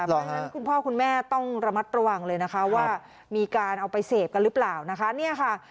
เพราะฉะนั้นคุณพ่อคุณแม่ต้องระมัดประวังเลยว่ามีการเอาไปเศษปกันหรือเปล่า